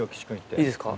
いいですか？